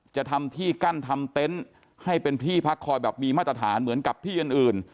จะทำที่กั้นทำเต็นต์ให้เป็นที่พักคอยแบบมีมาตรฐานเหมือนกับที่อื่น